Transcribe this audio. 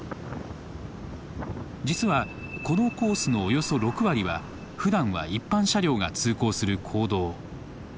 実はこのコースのおよそ６割はふだんは一般車両が通行する公道。